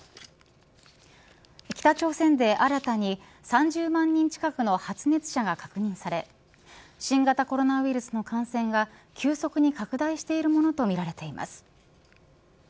北朝鮮で新たに３０万人近くの発熱者が確認され新型コロナウイルスの感染が急速に拡大しているものとみられています。